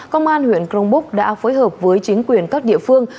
công an huyện crong búc đã phối hợp với chính quyền các địa phương